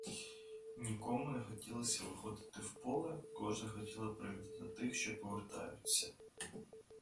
Нікому не хотілося виходити в поле, кожне хотіло привітати тих, що повертаються.